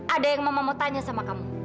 ada yang mama mau tanya sama kamu